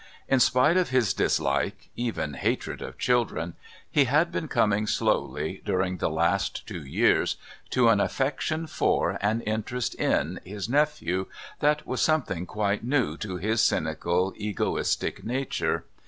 In spite of his dislike, even hatred of children, he had been coming slowly, during the last two years, to an affection for, and interest in, his nephew that was something quite new to his cynical, egoistic nature.